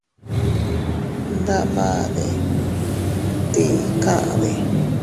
Ndamade ¿tii kade?